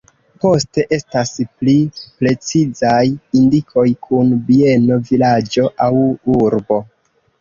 Poste estas pli precizaj indikoj kun bieno, vilaĝo aŭ urbo.